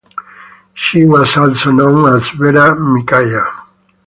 She was also known as Vera Micaia.